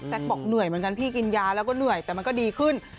บอกเหนื่อยเหมือนกันพี่กินยาแล้วก็เหนื่อยแต่มันก็ดีขึ้น